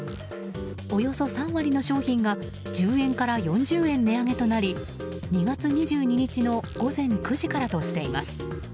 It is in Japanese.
およそ３割の商品が１０円から４０円値上げとなり２月２２日の午前９時からとしています。